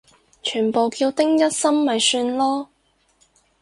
全部叫丁一心咪算囉